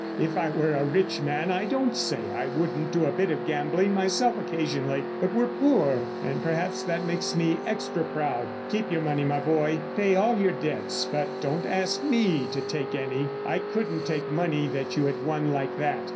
If I were a rich man I don't say I wouldn't do a bit of gambling myself occasionally. But we're poor, and perhaps that makes me extra proud. Keep your money, my boy; pay all your debts, but don't ask me to take any. I couldn't take money that you had won like that.